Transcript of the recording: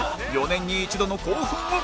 ４年に一度の興奮を！